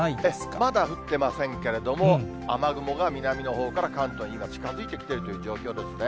まだ降ってませんけれども、雨雲が南のほうから関東に今、近づいてきているという状況ですね。